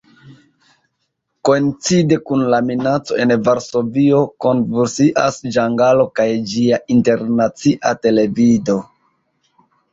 Koincide kun la minaco en Varsovio konvulsias Ĝangalo kaj ĝia Internacia Televido.